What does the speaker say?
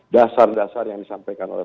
dasar dasar yang disampaikan oleh